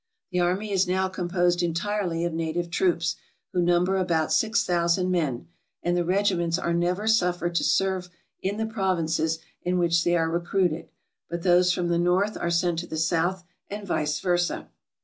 The army is now composed entirely of native troops, who number about 6000 men, and the regiments are never suffered to serve in the provinces in which they are re cruited, but those from the North are sent to the South, and vice versa.